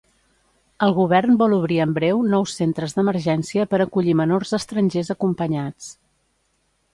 El Govern vol obrir en breu nous centres d'emergència per acollir menors estrangers acompanyats.